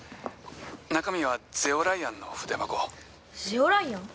中身は『ゼオライアン』の筆箱」『ゼオライアン』？